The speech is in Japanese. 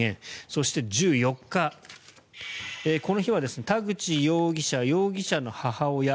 そして、１４日この日は田口容疑者容疑者の母親